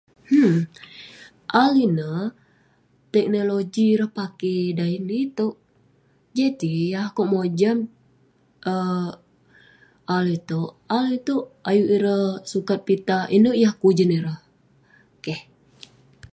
um AI ineh, teknologi ireh pakey dan itouk..Jadi akouk mojam um AI itouk, Al itouk, ayuk ireh sukat pitah inouk yah kujen ireh, keh.